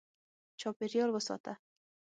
چاپېریال وساته.